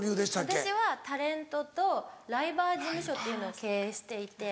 私はタレントとライバー事務所っていうのを経営していて。